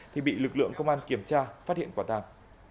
thì bị lực lượng công an kiểm tra phát hiện quả tàng